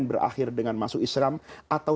berakhir dengan masuk islam atau